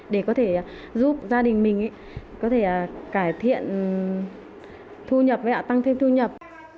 để có thể giúp gia đình mình có thể cải thiện thu nhập tăng thêm thu nhập